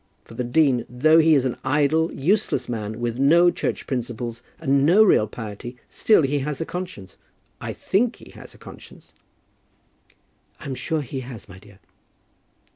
For the dean, though he is an idle, useless man, with no church principles, and no real piety, still he has a conscience. I think he has a conscience." "I'm sure he has, my dear."